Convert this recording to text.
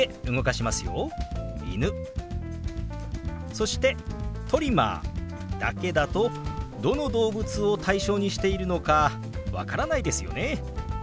そして「トリマー」だけだとどの動物を対象にしているのか分からないですよね。